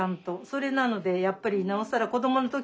それなのでやっぱりなおさら子どもの時。